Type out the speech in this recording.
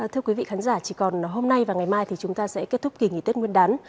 thưa quý vị khán giả chỉ còn hôm nay và ngày mai thì chúng ta sẽ kết thúc kỳ nghỉ tết nguyên đán